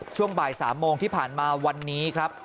ช่วงบ่าย๓โมงที่ผ่านมาวันนี้ครับ